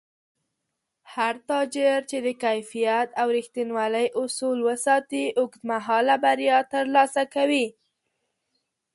هر تاجر چې د کیفیت او رښتینولۍ اصول وساتي، اوږدمهاله بریا ترلاسه کوي